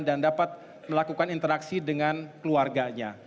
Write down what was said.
dan dapat melakukan interaksi dengan keluarganya